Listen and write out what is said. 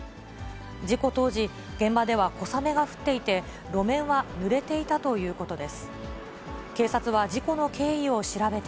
事故当時、現場では小雨が降っていて、路面はぬれていたということです。